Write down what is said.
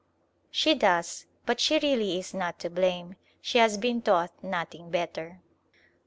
She does, but she really is not to blame. She has been taught nothing better.